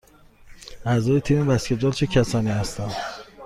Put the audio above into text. اعضای تیم بسکتبال چه کسانی هستند؟